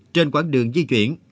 trên quãng đường di chuyển